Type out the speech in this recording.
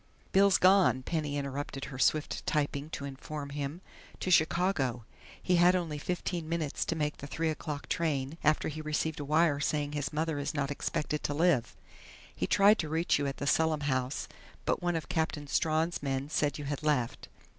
"Bill's gone," Penny interrupted her swift typing to inform him. "To Chicago. He had only fifteen minutes to make the three o'clock train, after he received a wire saying his mother is not expected to live. He tried to reach you at the Selim house, but one of Captain Strawn's men said you had left."